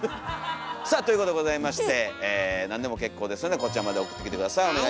さあということでございまして何でも結構ですのでこちらまで送ってきて下さい。